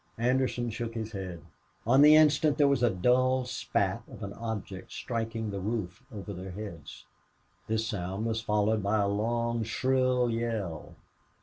Anderson shook his head. On the instant there was a dull spat of an object striking the roof over their heads. This sound was followed by a long, shrill yell.